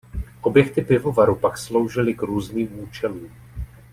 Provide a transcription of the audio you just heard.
Objekty pivovaru pak sloužily k různým účelům.